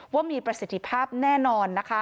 ว่ามีประสิทธิภาพแน่นอนนะคะ